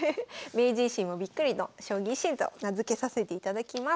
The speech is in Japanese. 明治維新もびっくりの「将棋維新」と名付けさせていただきます。